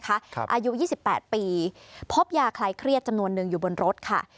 อายุ๒๘ปีพบยาคลายเครียดจำนวนหนึ่งอยู่บนรถค่ะ